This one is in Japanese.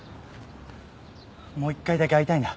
もう１回だけ会いたいんだ。